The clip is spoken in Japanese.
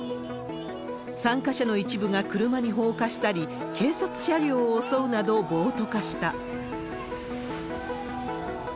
参加者の一部が車に放火したり、警察車両を襲うなど、暴徒化した。